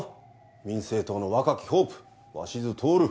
民政党の若きホープ鷲津亨。